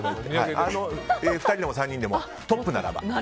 ２人でも３人でもトップならば。